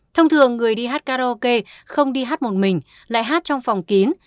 thông thường người đi hát karaoke không đi hát một mình lại hát trong phòng kín